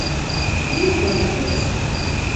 Тигеҙләштек.